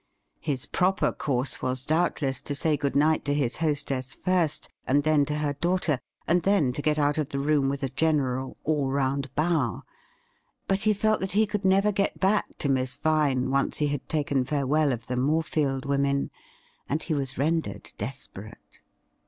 His proper course was doubtless to say good night to his hostess first, and then to her daughter, and then to get out of the room with a general, all round bow. But he felt that he could never get back to Miss Vine once he had taken farewell of the Morefield women, and he was rendered desperate.